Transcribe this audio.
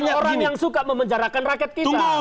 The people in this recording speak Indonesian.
orang yang suka memenjarakan rakyat kita